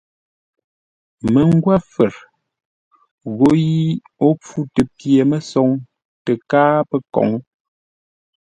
Məngwə́fə̂r, gho yi ó mpfutə pye-mə́soŋ tə́ káa pə́ kǒŋ.